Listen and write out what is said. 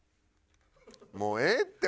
もうええって！